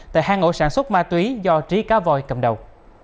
tại hai ổ sản xuất ma túy do trí cá voi cầm đầu